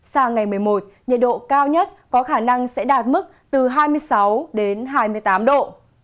sang ngày một mươi một nhiệt độ cao nhất có khả năng sẽ đạt mức từ hai mươi sáu đến hai mươi tám độ